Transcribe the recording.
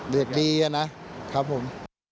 เด็กดีนะครับผม